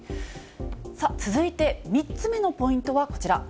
続いて３つ目のポイントはこちら。